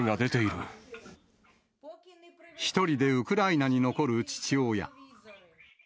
１人でウクライナに残る父親。